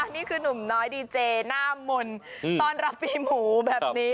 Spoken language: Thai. นี่คือนุ่มน้อยดีเจหน้ามนต์ต้อนรับปีหมูแบบนี้